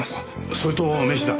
それと名刺だ。